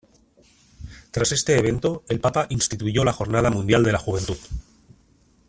Tras este evento el Papa instituyó la Jornada Mundial de la Juventud.